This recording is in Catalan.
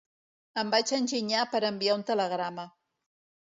Em vaig enginyar per enviar un telegrama